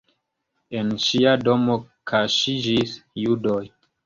En ŝia domo kaŝiĝis judoj.